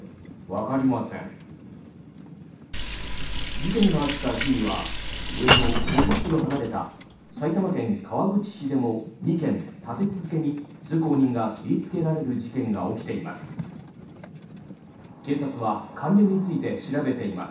事件があった日にはおよそ５０ｋｍ離れた埼玉県川口市でも２件立て続けに通行人が切りつけられる事件が起きています。